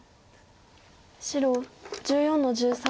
白１４の十三。